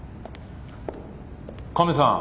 カメさん。